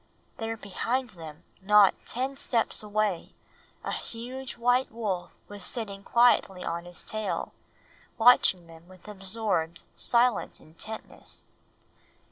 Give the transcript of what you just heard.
There behind them, not ten steps away, a huge white wolf was sitting quietly on his tail, watching them with absorbed, silent intentness.